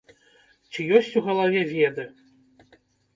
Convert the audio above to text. Ці ёсць у галаве веды?